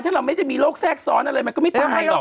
ถ้าเราไม่ได้มีโรคแทรกซ้อนอะไรมันก็ไม่ตายหรอก